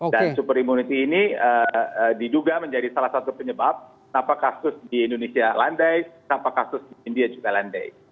dan super immunity ini diduga menjadi salah satu penyebab tanpa kasus di indonesia landai tanpa kasus di india juga landai